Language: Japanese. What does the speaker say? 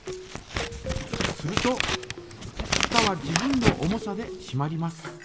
するとふたは自分の重さでしまります。